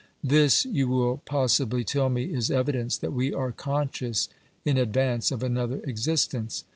This, you will possibly tell me, is evidence that we are conscious in advance of another existence.